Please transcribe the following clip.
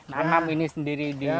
nanam ini sendiri di